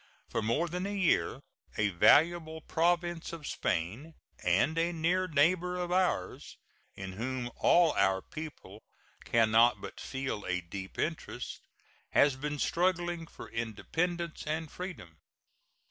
For more than a year a valuable province of Spain, and a near neighbor of ours, in whom all our people can not but feel a deep interest, has been struggling for independence and freedom.